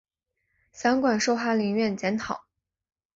散馆授翰林院检讨。